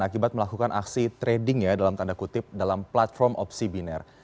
akibat melakukan aksi trading ya dalam tanda kutip dalam platform opsi biner